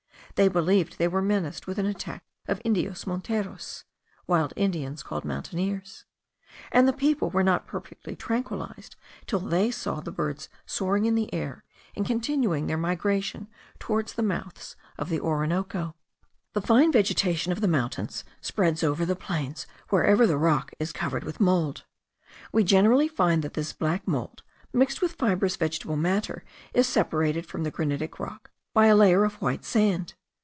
They believed they were menaced with an attack of Indios monteros (wild Indians called mountaineers); and the people were not perfectly tranquilized, till they saw the birds soaring in the air, and continuing their migration towards the mouths of the Orinoco. The fine vegetation of the mountains spreads over the plains, wherever the rock is covered with mould, We generally find that this black mould, mixed with fibrous vegetable matter, is separated from the granitic rock by a layer of white sand.